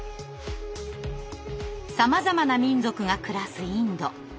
さまざまな民族が暮らすインド。